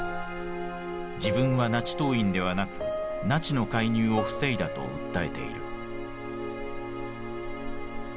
自分はナチ党員ではなくナチの介入を防いだと訴えている。